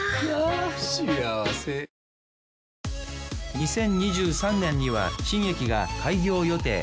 ２０２３年には新駅が開業予定。